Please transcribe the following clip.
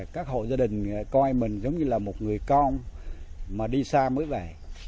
các hộ gia đình coi mình giống như là một người con mà đi xa mới về